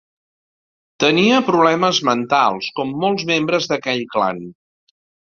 Tenia problemes mentals, com molts membres d'aquell clan.